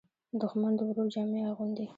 دښمن د ورور جامه اغوندي